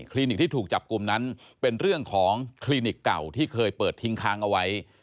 นิกที่ถูกจับกลุ่มนั้นเป็นเรื่องของคลินิกเก่าที่เคยเปิดทิ้งค้างเอาไว้